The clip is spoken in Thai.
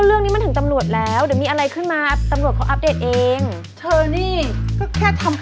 เรื่องนี้ต่อมันทำลงสก๊อปเพจไปแล้วค่ะ